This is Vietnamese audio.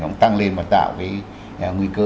nó tăng lên và tạo cái nguy cơ